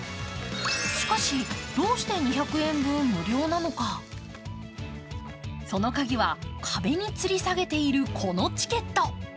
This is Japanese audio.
しかし、どうして２００円分無料なのかそのカギは、壁につり下げているこのチケット。